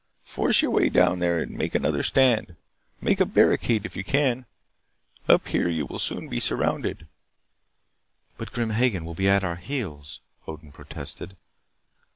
Force your way down there and make another stand. Make a barricade if you can. Up here you will soon be surrounded." "But Grim Hagen will be at our heels " Odin protested.